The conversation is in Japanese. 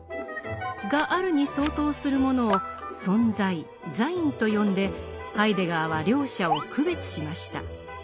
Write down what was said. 「がある」に相当するものを「存在ザイン」と呼んでハイデガーは両者を区別しました。